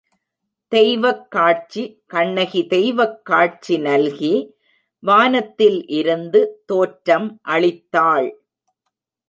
தெய்வக் காட்சி கண்ணகி தெய்வக் காட்சி நல்கி வானத்தில் இருந்து தோற்றம் அளித்தாள்.